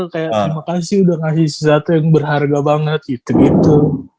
kayak terima kasih udah ngasih sesuatu yang berharga banget gitu gitu